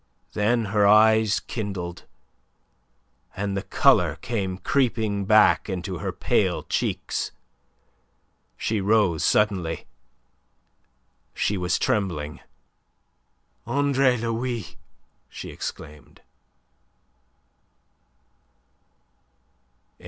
Then her eyes kindled, and the colour came creeping back into her pale cheeks. She rose suddenly. She was trembling. "Andre Louis!" she exclaimed.